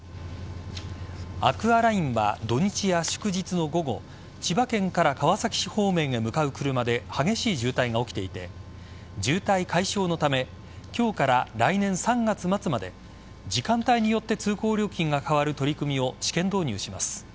アクアラインは土日や祝日の午後千葉県から川崎市方面へ向かう車で激しい渋滞が起きていて渋滞解消のため今日から来年３月末まで時間帯によって通行料金が変わる取り組みを試験導入します。